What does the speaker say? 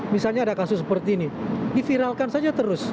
misalnya ada kasus seperti ini diviralkan saja terus